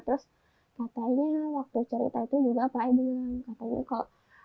terus katanya waktu cerita itu juga pak edna